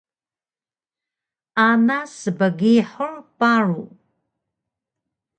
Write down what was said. Ana sbgihur paru